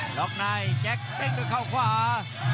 กรรมการเตือนทั้งคู่ครับ๖๖กิโลกรัม